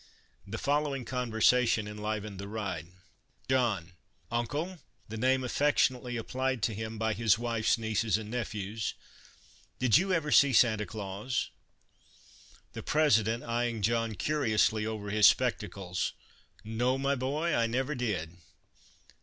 The following conversa tion enlivened the ride : John :" Uncle " (the name affectionately applied to him by his wife's nieces and nephews), " did you ever see Sancta Clans ?" The President, eyeing John curiously over his spectacles :" No, my boy ; 1 never did."